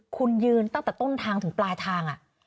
คุณยืนตั้งแต่ต้นทางถึงปลายทาง